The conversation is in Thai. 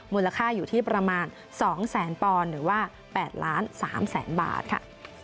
มูลค่าอยู่ที่ประมาณ๒๐๐๐๐๐ปอนด์หรือว่า๘๓๐๐๐๐๐บาทค่ะ